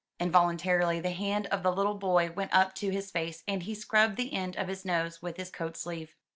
Involuntarily the hand of the little boy went up to his face, and he scrubbed the end of his nose with his coat sleeve.